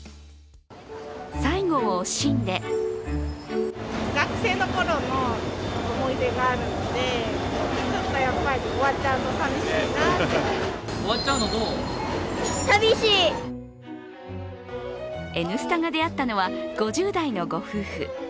最後を惜しんで「Ｎスタ」が出会ったのは５０代のご夫婦。